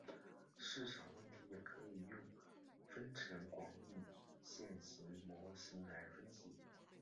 市场问题也可以用分层广义线性模型来分析。